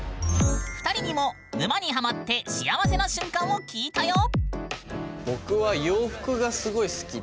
２人にも沼にハマって幸せな瞬間を聞いたよ。